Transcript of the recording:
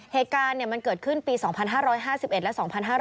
เหตุการณ์มันเกิดขึ้นปี๒๕๕๑และ๒๕๕๙